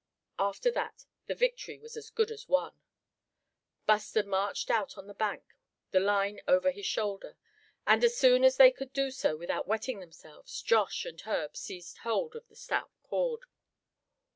After that the victory was as good as won. Buster marched out on the bank the line over his shoulder; and as soon as they could do so without wetting themselves Josh and Herb seized hold of the stout cord.